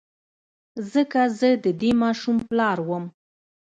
ځکه زه د دې ماشوم پلار وم.